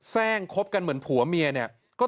แทรกคบกันเหมือนผัวเมียเนี่ย